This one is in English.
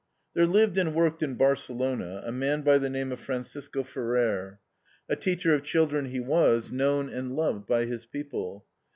There lived and worked in Barcelona a man by the name of Francisco Ferrer. A teacher of children he was, known and loved by his people.